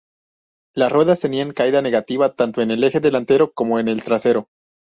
Las ruedas tenían caída negativa tanto en el eje delantero como en el trasero.